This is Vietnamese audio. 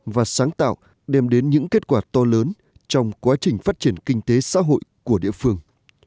và sáng tạo đem đến những kết quả to lớn trong quá trình phát triển kinh tế xã hội của địa phương